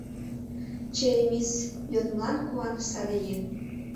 Черемис, — йодмылан куаныш саде еҥ.